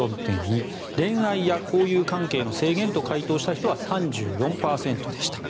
恋愛や交友関係の制限と回答した人は３４％でした。